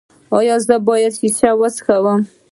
ایا زه باید شیشه وڅکوم؟